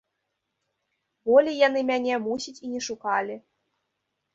Болей яны мяне, мусіць, і не шукалі.